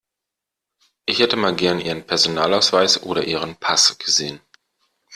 Ich hätte mal gern Ihren Personalausweis oder Ihren Pass gesehen.